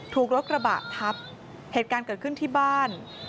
ถูกรถกระบะทับเหตุการณ์เกิดขึ้นที่บ้าน